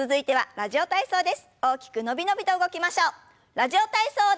「ラジオ体操第２」。